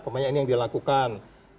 pemainnya ini yang dilakukan